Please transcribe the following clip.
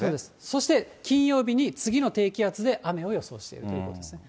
そして金曜日に次の低気圧で雨を予想しているということですね。